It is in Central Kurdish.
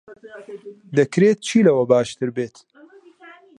دەکرێت چی لەوە باشتر بێت؟